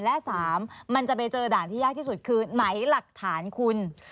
และ๓มันจะไปเจอด่านที่ยากที่สุดคือไหนหลักฐานคุณ